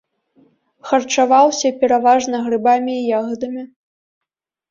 Харчаваўся пераважна грыбамі і ягадамі.